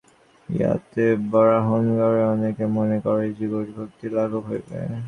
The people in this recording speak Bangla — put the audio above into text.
ইহাতে বরাহনগরের অনেকে মনে করে যে, গুরুভক্তির লাঘব হইবে।